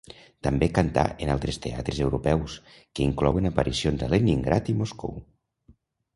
També cantà en altres teatres europeus, que inclouen aparicions a Leningrad i Moscou.